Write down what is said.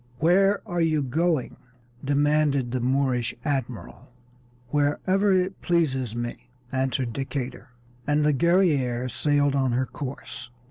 "Where are you going?" demanded the Moorish admiral. "Wherever it pleases me," answered Decatur; and the Guerrière sailed on her course.